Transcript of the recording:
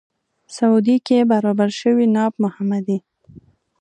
سعودي کې برابر شوی ناب محمدي.